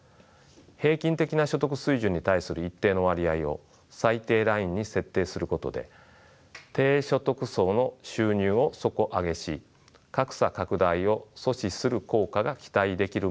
平均的な所得水準に対する一定の割合を最低ラインに設定することで低所得層の収入を底上げし格差拡大を阻止する効果が期待できる面もあります。